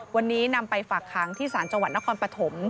วันนี้นำไปฝากค้างที่ศาลจังหวัดนครปฐม